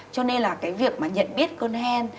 cho nên là cái việc mà nhận biết con hen